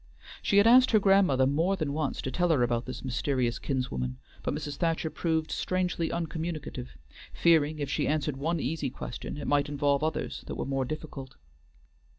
She had asked her grandmother more than once to tell her about this mysterious kinswoman, but Mrs. Thacher proved strangely uncommunicative, fearing if she answered one easy question it might involve others that were more difficult.